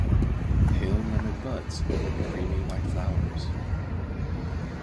Pale lemon buds open to creamy white flowers.